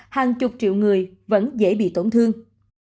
hàng chục triệu người vẫn dễ bị tổn thương